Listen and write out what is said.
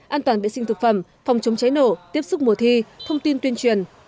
an toàn vệ sinh thực phẩm phòng chống cháy nổ tiếp xúc mùa thi thông tin tuyên truyền